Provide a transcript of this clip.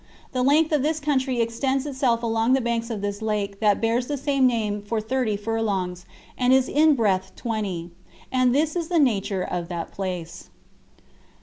The length of this country extends itself along the banks of this lake that bears the same name for thirty furlongs, and is in breadth twenty, And this is the nature of that place.